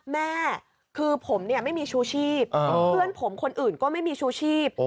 แม่คือผมเนี่ยไม่มีชูชีพเพื่อนผมคนอื่นก็ไม่มีชูชีพ